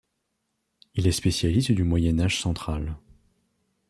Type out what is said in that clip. Il est spécialiste du Moyen Âge central.